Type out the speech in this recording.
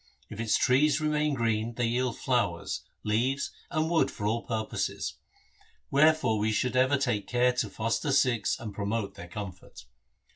If its trees remain green they yield flowers, leaves, and wood for all purposes. Wherefore we should ever take care to foster Sikhs, and promote their comfort.